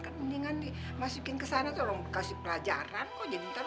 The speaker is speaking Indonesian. mendingan di masukin kesana tolong kasih pelajaran kok